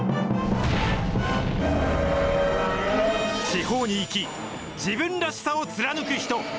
地方に生き、自分らしさを貫く人。